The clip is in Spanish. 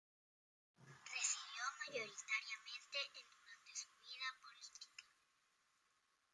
Residió mayoritariamente en durante su vida política.